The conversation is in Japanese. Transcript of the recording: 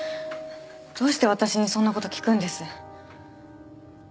どうして私にそんな事聞くんです？